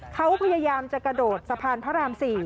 เขาพยายามจะกระโดดสะพานพระราม๔